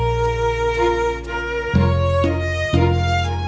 เพดองก็บริสุทธิวัน๓ไปแล้วอีโทษ